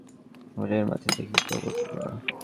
আরে, এর মাথায় দেখি গোবরপোড়া।